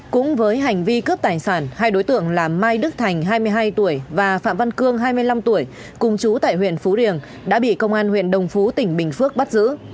cũng với hành vi cướp tài sản hai đối tượng là mai đức thành hai mươi hai tuổi và phạm văn cương hai mươi năm tuổi cùng chú tại huyện phú riềng đã bị công an huyện đồng phú tỉnh bình phước bắt giữ